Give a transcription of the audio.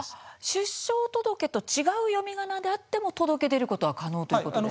出生届と違う読みがなであっても届け出ることも可能ということですね。